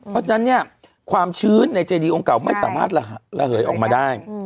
เพราะฉะนั้นเนี่ยความชื้นในเจดีองค์เก่าไม่สามารถระเหยออกมาได้